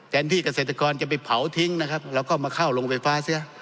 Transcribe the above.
ที่เกษตรกรจะไปเผาทิ้งนะครับเราก็มาเข้าโรงไฟฟ้าเสีย